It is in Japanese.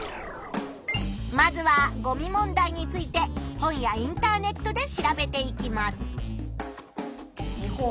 まずはゴミ問題について本やインターネットで調べていきます。